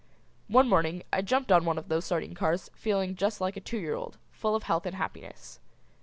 One morning I jumped on one of those sardine cars feeling just like a two year old, full of health and happiness.